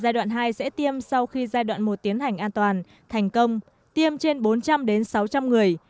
giai đoạn hai sẽ tiêm sau khi giai đoạn một tiến hành an toàn thành công tiêm trên bốn trăm linh sáu trăm linh người